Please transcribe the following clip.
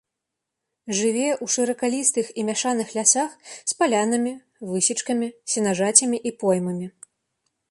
Жыве ў шыракалістых і мяшаных лясах з палянамі, высечкамі, сенажацямі і поймамі.